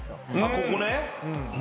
ここね。